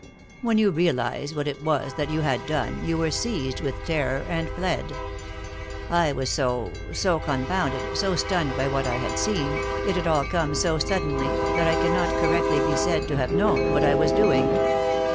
When you realised what it was that you had done, you were seized with terror, and fled. I was so — so confounded, so stunned by what I had seen, it had all come so suddenly, that I cannot correctly be said to have known what I was doing.